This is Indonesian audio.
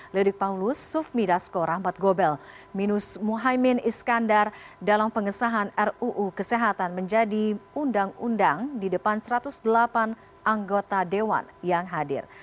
lirik paulus sufmi dasko rahmat gobel minus muhaymin iskandar dalam pengesahan ruu kesehatan menjadi undang undang di depan satu ratus delapan anggota dewan yang hadir